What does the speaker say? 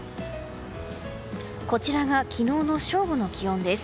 こちらが昨日の正午の気温です。